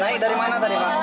naik dari mana tadi pak